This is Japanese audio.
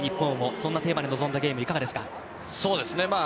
そんなテーマで臨んだゲームいかがですか？